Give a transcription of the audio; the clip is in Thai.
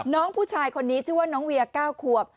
น้องผู้ชายคนนี้ชื่อว่าน้องเวีย๙ขวบ